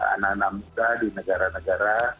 anak anak muda di negara negara